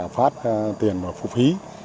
phát tiền phụ phí